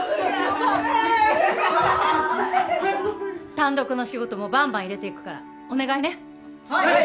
単独の仕事もバンバン入れていくからお願いねはい！